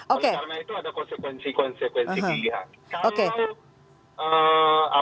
oleh karena itu ada konsekuensi konsekuensi pilihan